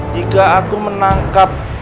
jika aku menangkap